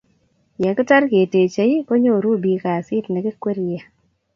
Yekitar ketechei, konyoru biik kasit nekikwerrie